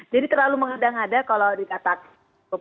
jadi terlalu mengedang edang kalau dikatakan